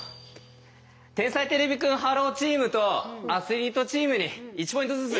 天才てれびくんｈｅｌｌｏ，チームとアスリートチームに１ポイントずつ。